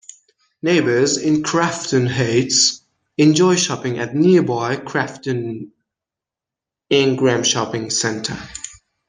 Neighbors in Crafton Heights enjoy shopping at nearby Crafton-Ingram Shopping Center.